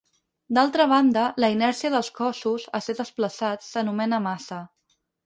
D'altra banda, la inèrcia dels cossos a ser desplaçats s'anomena massa.